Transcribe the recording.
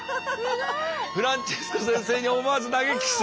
フランチェスコ先生に思わず投げキス。